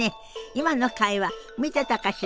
今の会話見てたかしら？